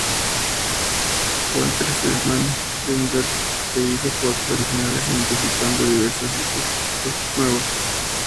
Walter Seelman-Eggebert que hizo aportes originales identificando diversos isótopos nuevos.